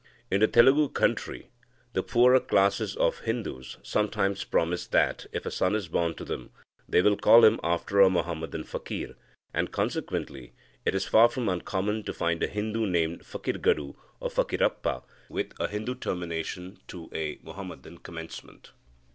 In the Telugu country, the poorer classes of Hindus sometimes promise that, if a son is born to them, they will call him after a Muhammadan Fakir, and, consequently, it is far from uncommon to find a Hindu named Fakirgadu or Fakirappa, with a Hindu termination to a Muhammadan commencement.